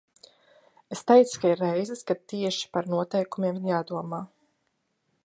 Es teicu, ka ir reizes, kad tieši par noteikumiem ir jādomā.